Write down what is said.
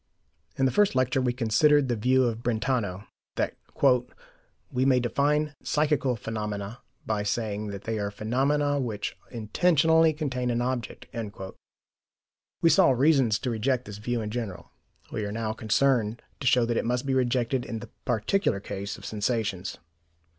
In the first lecture we considered the view of Brentano, that "we may define psychical phenomena by saying that they are phenomena which intentionally contain an object." We saw reasons to reject this view in general; we are now concerned to show that it must be rejected in the particular case of sensations.